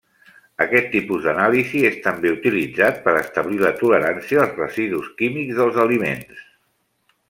Aquest tipus d'anàlisi és també utilitzat per establir la tolerància als residus químics dels aliments.